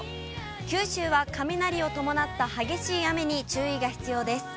九州は雷を伴った激しい雨に注意が必要です。